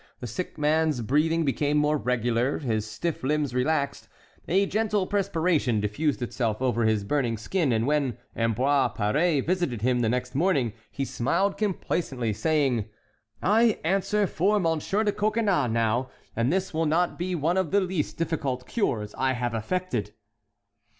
The sick man's breathing became more regular, his stiff limbs relaxed, a gentle perspiration diffused itself over his burning skin, and when Ambroise Paré visited him the next morning, he smiled complacently, saying: "I answer for Monsieur de Coconnas now; and this will not be one of the least difficult cures I have effected."